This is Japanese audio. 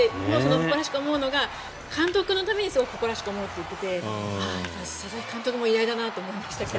誇らしく思うのが監督のためにすごく誇らしく思うって言っていてやっぱり佐々木監督も偉大だなと思いましたけど。